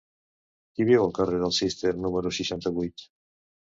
Qui viu al carrer del Cister número seixanta-vuit?